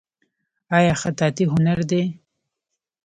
آیا خطاطي هنر دی؟